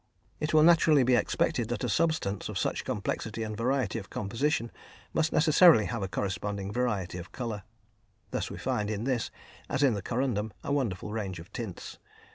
It will naturally be expected that a substance of such complexity and variety of composition must necessarily have a corresponding variety of colour; thus we find in this, as in the corundum, a wonderful range of tints.